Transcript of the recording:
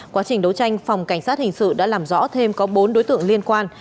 quá trình đấu tranh phòng cảnh sát hình sự đã làm rõ thêm có bốn đối tượng liên quan